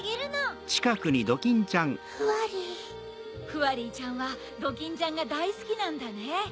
フワリーちゃんはドキンちゃんがだいすきなんだね。